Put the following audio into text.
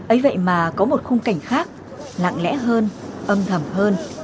ấy vậy mà có một khung cảnh khác lặng lẽ hơn âm thầm hơn